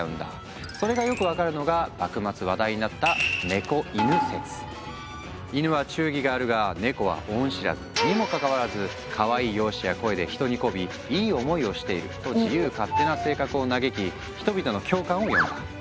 それがよく分かるのが幕末話題になった「イヌは忠義があるがネコは恩知らずにもかかわらずかわいい容姿や声で人にこびいい思いをしている」と自由勝手な性格を嘆き人々の共感を呼んだ。